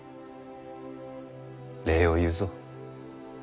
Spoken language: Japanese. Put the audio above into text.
礼を言うぞ。